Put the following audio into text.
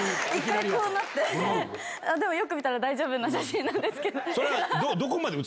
一回こうなってでもよく見たら大丈夫な写真なんですけど。